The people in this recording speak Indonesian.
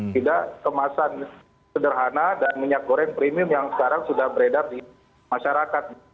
tidak kemasan sederhana dan minyak goreng premium yang sekarang sudah beredar di masyarakat